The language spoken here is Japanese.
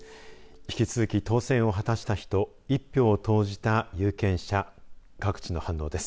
引き続き、当選を果たした人一票を投じた有権者各地の反応です。